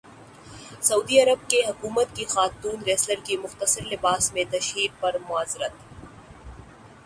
سعودی عرب حکومت کی خاتون ریسلر کی مختصر لباس میں تشہیر پر معذرت